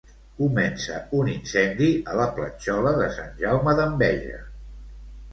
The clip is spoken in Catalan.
Comença un incendi a la Platjola de Sant Jaume d'Enveja.